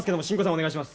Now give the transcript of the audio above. お願いします。